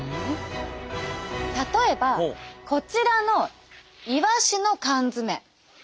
例えばこちらのイワシの缶詰。